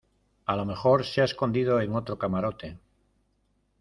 a lo mejor se ha escondido en otro camarote.